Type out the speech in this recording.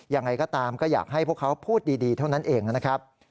ยังไงก็ตามก็อยากให้พวกเขาพูดดีเท่านั้นเองนะครับ